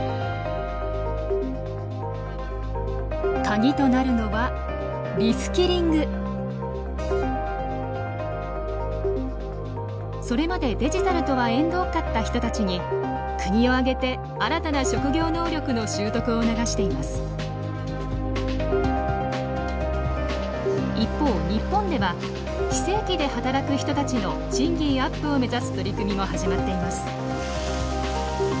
鍵となるのはそれまでデジタルとは縁遠かった人たちに国を挙げて一方日本では非正規で働く人たちの賃金アップを目指す取り組みも始まっています。